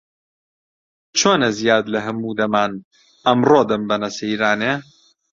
چۆنە زیاد لە هەموو دەمان، ئەمڕۆ دەمبەنە سەیرانێ؟